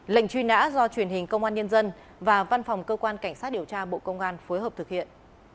lệnh truy nã do truyền hình công an nhân dân và văn phòng cơ quan cảnh sát điều tra bộ công an phối hợp thực hiện